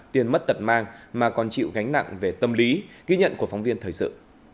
tiền mất tật mang mà còn chịu gánh nặng về tâm lý ghi nhận của phóng viên thời sự